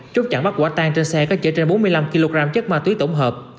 trúc chẳng bắt quả tan trên xe có chở trên bốn mươi năm kg chất ma túy tổng hợp